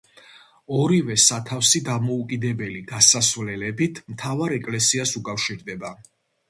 ორივე სათავსი დამოუკიდებელი გასასვლელებით მთავარ ეკლესიას უკავშირდება.